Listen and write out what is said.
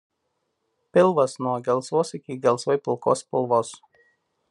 Pilvas nuo gelsvos iki gelsvai pilkos spalvos.